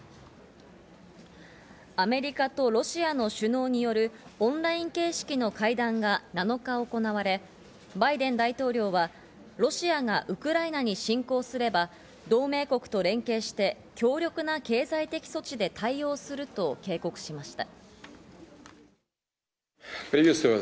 アメリカとロシアの首脳によるオンライン形式の会談が７日行われ、バイデン大統領はロシアがウクライナに侵攻すれば同盟国と連携して強力な経済的措置で対応すると警告しました。